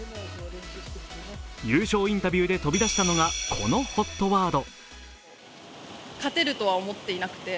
優勝インタビューで飛び出したのがこのＨＯＴワード。